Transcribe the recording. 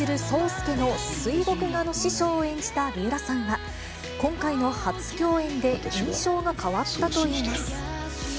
介の水墨画の師匠を演じた三浦さんは、今回の初共演で、印象が変わったといいます。